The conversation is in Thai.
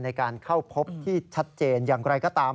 ในการเข้าพบที่ชัดเจนอย่างไรก็ตาม